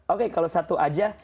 oke kalau satu aja